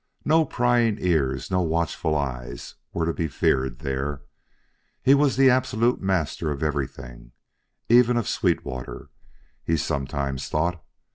No prying ears, no watchful eyes, were to be feared there. He was the absolute master of everything, even of Sweetwater, he sometimes thought.